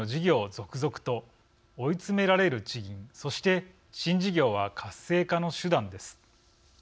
続々と追い詰められる地銀そして新事業は活性化の手段です。